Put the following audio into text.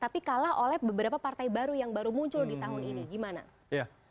tapi kalah oleh beberapa partai baru yang baru muncul di tahun ini gimana